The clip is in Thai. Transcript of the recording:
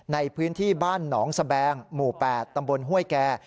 ในพื้นที่บ้านหนองสแบงหมู่๘ตำบลห้วยแก่